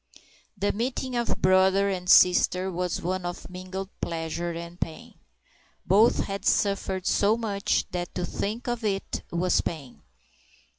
The meeting of brother and sister was one of mingled pleasure and pain. Both had suffered so much that to think of it was pain.